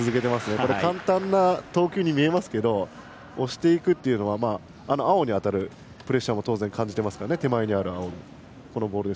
これ簡単な投球に見えますけど押していくっていうのは青に当たるプレッシャーも当然感じていますから手前にある青。